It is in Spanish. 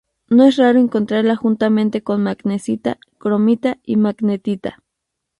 No es raro encontrarla juntamente con magnesita, cromita y magnetita.